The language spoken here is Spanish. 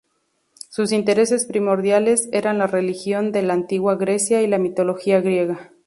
Sus intereses primordiales eran la Religión de la Antigua Grecia y la mitología griega.